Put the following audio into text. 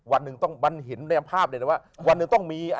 วันหนึ่งต้องบันเห็นในภาพใน